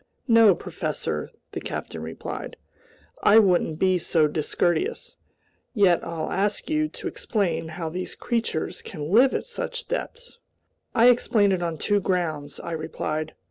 "No, professor," the captain replied, "I wouldn't be so discourteous. Yet I'll ask you to explain how these creatures can live at such depths?" "I explain it on two grounds," I replied.